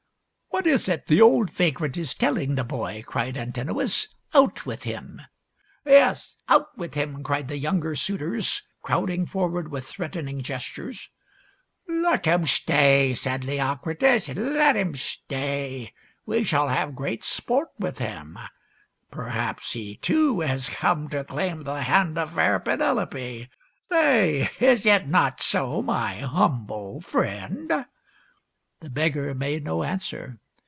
"What is it the old vagrant is telling the boy?" cried Antinous. " Out with him !"" Yes, out with him !" cried the younger suitors, crowding forward with threatening gestures. PENELOPE'S WEB 171 " Let him stay," said Leocritus. " Let him stay. We shall have great sport with him. Perhaps he, too, has come to claim the hand of fair Penelope. Say, is it not so, my humble friend.? " The beggar made no answer.